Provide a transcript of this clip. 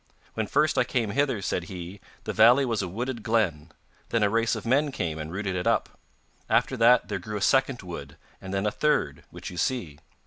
'When first I came hither,' said he, 'the valley was a wooded glen; then a race of men came and rooted it up. After that there grew a second wood, and then a third, which you see.